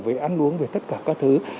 về ăn uống về tất cả các thứ